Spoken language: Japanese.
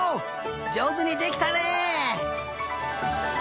じょうずにできたね！